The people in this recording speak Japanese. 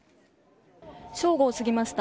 正午を過ぎました。